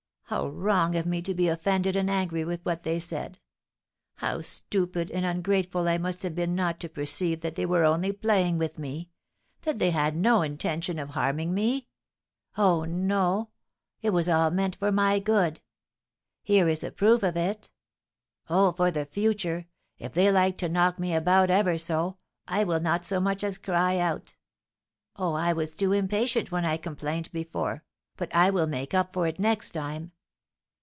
How wrong of me to be offended and angry with what they said! How stupid and ungrateful I must have been not to perceive that they were only playing with me, that they had no intention of harming me. Oh, no! It was all meant for my good. Here is a proof of it. Oh, for the future, if they like to knock me about ever so, I will not so much as cry out! Oh, I was too impatient when I complained before; but I will make up for it next time!"